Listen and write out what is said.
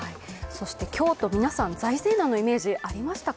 京都、皆さん、財政難のイメージ、ありましたか？